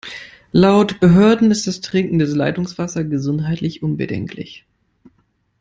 Laut Behörden ist das Trinken des Leitungswassers gesundheitlich unbedenklich.